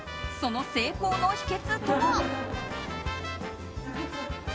その成功の秘訣とは？